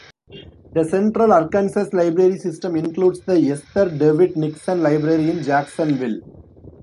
The Central Arkansas Library System includes the Esther Dewitt Nixon Library in Jacksonville.